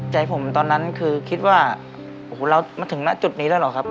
ใจผมตอนนั้นคือคิดว่าโอ้โหเรามาถึงณจุดนี้แล้วเหรอครับ